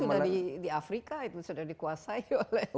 tiongkok sudah di afrika sudah dikuasai oleh